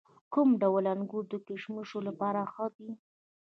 کوم ډول انګور د کشمشو لپاره ښه دي؟